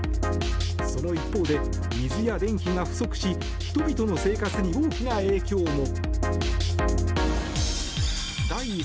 その一方で、水や電気が不足し人々の生活に大きな影響も。